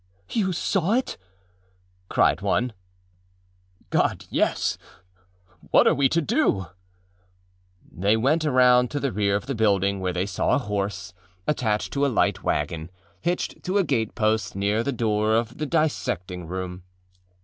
âYou saw it?â cried one. âGod! yesâwhat are we to do?â They went around to the rear of the building, where they saw a horse, attached to a light wagon, hitched to a gatepost near the door of the dissecting room.